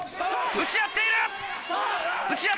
打ち合っている！